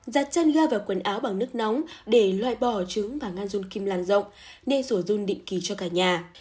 giặt chân gai vào quần áo bằng nước nóng để loại bỏ trứng và ngăn dung kim lan rộng nên sổ dung định kỳ cho cả nhà